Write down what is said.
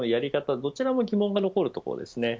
どちらも疑問が残るどころです。